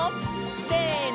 せの！